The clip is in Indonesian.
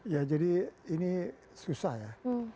ya jadi ini susah ya